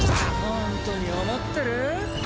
ホントに思ってる？